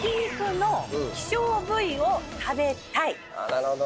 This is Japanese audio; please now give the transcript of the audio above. なるほど。